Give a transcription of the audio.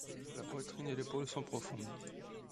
La poitrine et l'épaule sont profondes.